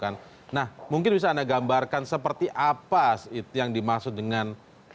nah mungkin bisa anda gambarkan seperti apa yang dimaksud dengan